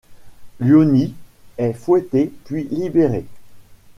Lyoni est fouetté puis libéré.